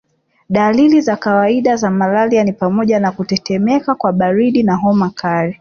Dalili za kawaida za malaria ni pamoja na kutetemeka kwa baridi na homa kali